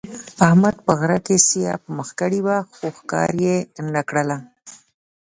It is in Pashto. احمد په غره کې سویه په مخه کړې وه، خو ښکار یې نه کړله.